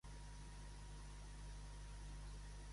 Apareix l'hora en què el tren que va cap a Tarragona surt?